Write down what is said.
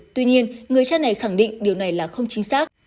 tuy nhiên người cha này khẳng định điều này là không chính xác